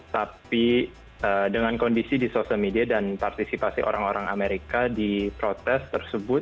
tapi dengan kondisi di sosial media dan partisipasi orang orang amerika di protes tersebut